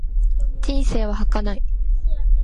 人生は儚い。